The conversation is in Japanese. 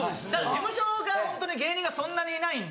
事務所がホントに芸人がそんなにいないんで。